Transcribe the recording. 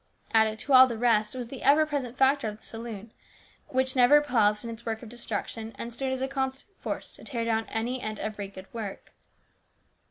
Added to all the rest was the ever present factor of the saloon, which never paused in its work of destruction, and stood as a constant force to tear down any and every good work.